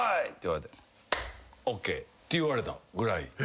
って言われたぐらい。